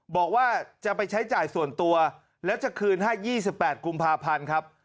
บอกว่าจะไปใช้จ่ายส่วนตัวแล้วจะคืนให้๒๘กุมภาพันธ์ครับ